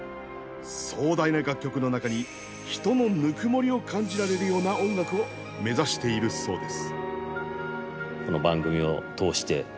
壮大な楽曲の中に人のぬくもりを感じられるような音楽を目指しているそうです。